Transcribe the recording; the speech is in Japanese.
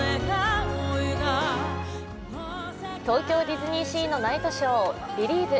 東京ディズニーシーのナイトショービリーヴ！